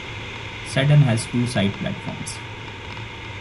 Seddon has two side platforms.